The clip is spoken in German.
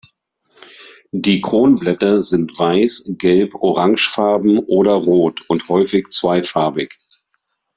Die Kronblätter sind weiß, gelb, orangefarben oder rot und häufig zweifarbig.